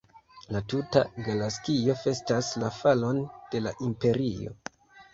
La tuta galaksio festas la falon de la Imperio.